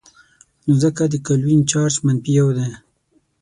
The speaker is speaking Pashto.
نو ځکه د کلوین چارج منفي یو دی.